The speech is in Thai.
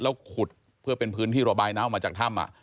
แล้วขุดเพื่อเป็นพื้นที่ระบายน้ำออกมาจากถ้ำ